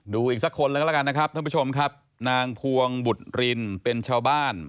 ดูอีกสักคนแล้วก็แล้วกันนะครับท่านผู้ชมครับนางพวงบุตรรินเป็นชาวบ้าน